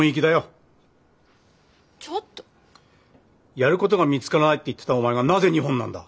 やることが見つからないって言ってたお前がなぜ日本なんだ？